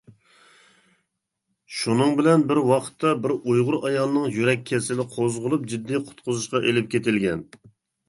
شۇنىڭ بىلەن بىر ۋاقىتتا بىر ئۇيغۇر ئايالنىڭ يۈرەك كېسىلى قوزغىلىپ، جىددىي قۇتقۇزۇشقا ئىلىپ كېتىلگەن.